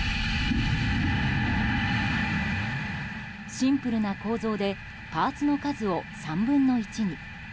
シンプルな構造でパーツの数を３分の１に。